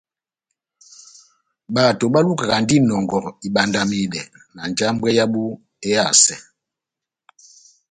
Bato balukakandini inɔngɔ ibandamidɛ na njambwɛ yábu ehasɛ.